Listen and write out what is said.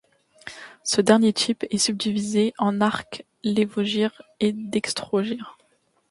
Ce dernier type est subdivisé en arcs lévogyres et dextrogyres.